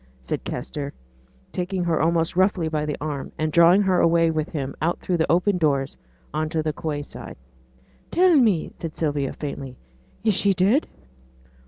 said Kester, taking her almost roughly by the arm, and drawing her away with him out through the open doors on to the quay side. 'Tell me!' said Sylvia, faintly, 'is she dead?'